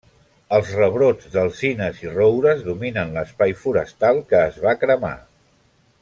Els rebrots d'alzines i roures dominen l'espai forestal que es va cremar.